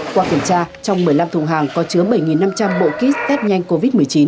qua kiểm tra trong một mươi năm thùng hàng có chứa bảy năm trăm linh bộ kit test nhanh covid một mươi chín